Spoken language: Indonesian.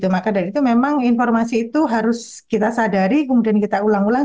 maka dari itu memang informasi itu harus kita sadari kemudian kita ulang ulang